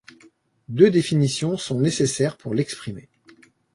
Deux définitions sont nécessaires pour l'exprimer.